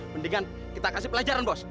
mendingan kita kasih pelajaran bos